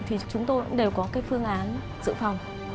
thì chúng tôi cũng đều có cái phương án dự phòng